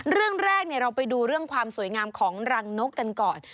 เรื่องแรกเราไปดูเรื่องความสวยงามของรังนกกันก่อน